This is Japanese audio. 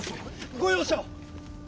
ご容赦を！